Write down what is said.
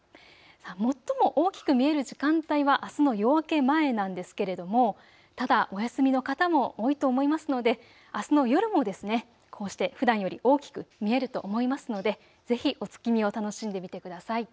最も大きく見える時間帯はあすの夜明け前なんですけれどもただお休みの方も多いと思いますのであすの夜もこうしてふだんより大きく見えると思いますのでぜひお月見を楽しんでみてください。